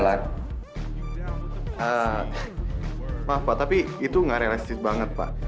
maaf pak tapi itu nggak realistis banget pak